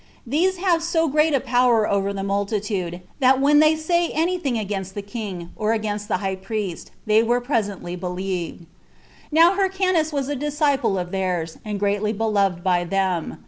These have so great a power over the multitude, that when they say any thing against the king, or against the high priest, they are presently believed. Now Hyrcanus was a disciple of theirs, and greatly beloved by them.